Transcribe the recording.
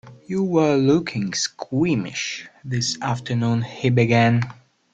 You were looking squeamish this afternoon, he began.